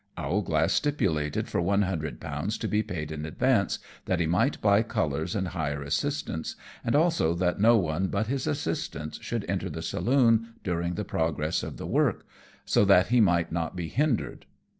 Owlglass stipulated for one hundred pounds to be paid in advance, that he might buy colours and hire assistants, and also that no one but his assistants should enter the saloon during the progress of the work, so that he might not be hindered.